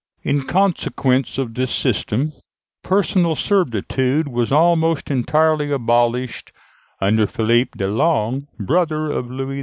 In consequence of this system, personal servitude was almost entirely abolished under Philippe de Long, brother of Louis X.